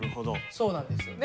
そうなんですよね。